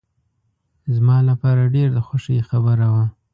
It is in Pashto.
زما لپاره ډېر د خوښۍ خبره وه.